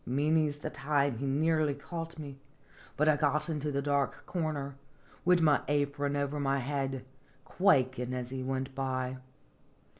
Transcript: Many's the time he nearly caught me, but I got into the dark corner, wid my apron over my head, quakin' as he went by.